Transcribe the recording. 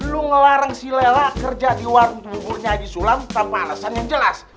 lo ngelarang si nelela kerja di warung tunggurnya haji sulam tanpa alasan yang jelas